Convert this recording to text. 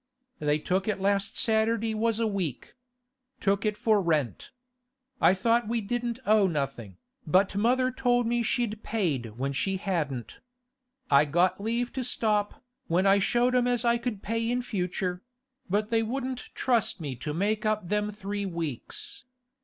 'They took it last Saturday was a week. Took it for rent. I thought we didn't owe nothing, but mother told me she'd paid when she hadn't. I got leave to stop, when I showed 'em as I could pay in future; but they wouldn't trust me to make up them three weeks.